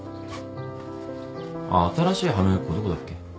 あっ新しい歯磨き粉どこだっけ？